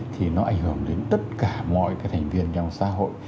thì nó ảnh hưởng đến tất cả mọi cái thành viên trong xã hội